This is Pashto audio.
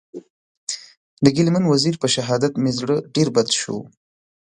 د ګیله من وزېر په شهادت مې زړه ډېر بد سو.